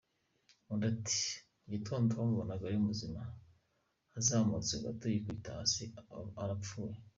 Undi ati “Mu gitondo twamubonaga ari muzima azamutse gato yikubita hasi aba arapfuye.